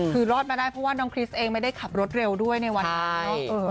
คือรอดมาได้เพราะว่าน้องคริสเองไม่ได้ขับรถเร็วด้วยในวันนี้